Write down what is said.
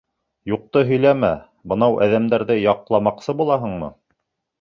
— Юҡты һөйләмә, бынау әҙәмдәрҙе яҡламаҡсы булаһыңмы?